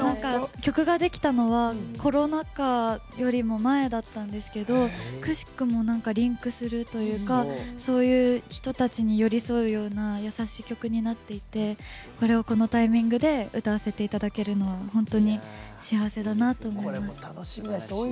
曲ができたのはコロナ禍より前だったんですがくしくもリンクするというかそういう人たちに寄り添うような優しい曲になっていてこれを、このタイミングで歌わせていただけるのは本当に幸せだなと思います。